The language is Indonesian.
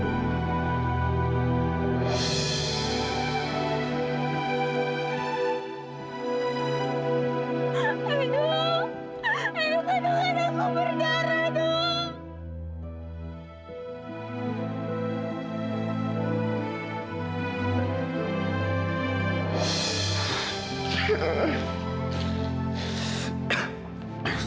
aduh aduh kandungan aku berdarah do